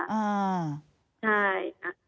ใช่